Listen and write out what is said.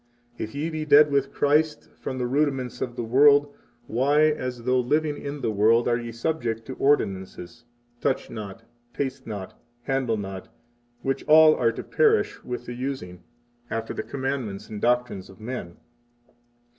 45 If ye be dead with Christ from the rudiments of the world, why, as though living in the world, are ye subject to ordinances (touch not; taste not; handle not, which all are to perish with the using) after the commandments and doctrines of men!